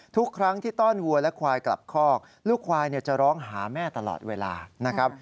ทุกครั้งที่ต้อนวัวและควายกลับคอกลูกควายจะร้องหาแม่ตลอดเวลานะครับ